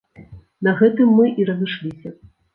На гэтым мы і разышліся.